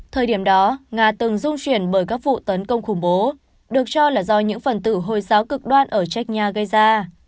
thời điểm đó nga từng dung chuyển bởi các vụ tấn công khủng bố được cho là do những phần tử hồi giáo cực đoan ở check nha gây ra